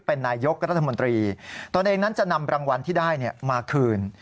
เป็นนายกรัฐมนตรีตนเองนั้นจะนำรางวัลที่ได้มาคืน